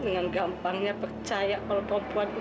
dengan gampangnya percaya kalau perempuan itu adalah mia